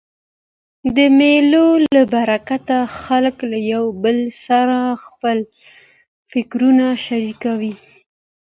د مېلو له برکته خلک له یو بل سره خپل فکرونه شریکوي.